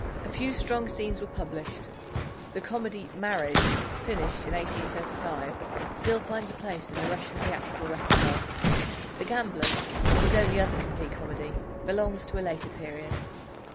A few strong scenes were published. The comedy Marriage, finished in 1835, still finds a place in the Russian theatrical repertoire. The Gamblers, his only other complete comedy, belongs to a later period.